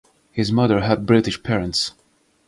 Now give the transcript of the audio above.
His mother had British parents.